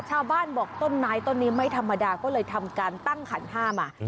ชาวบ้านบอกต้นไม้ต้นนี้ไม่ธรรมดาก็เลยทำการตั้งขันห้ามา